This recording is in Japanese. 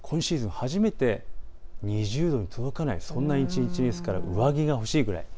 初めて２０度に届かないそんな一日ですから上着が欲しいくらい。